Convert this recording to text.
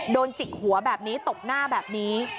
จิกหัวแบบนี้ตบหน้าแบบนี้